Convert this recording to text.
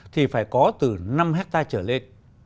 thì phải có từ năm ha trở lên